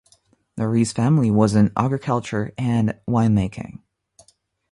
The Reiss family was in agriculture and winemaking.